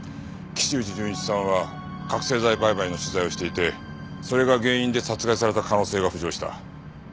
岸内潤一さんは覚せい剤売買の取材をしていてそれが原因で殺害された可能性が浮上した。